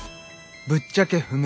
「ぶっちゃけ不明」。